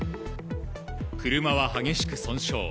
車は激しく損傷。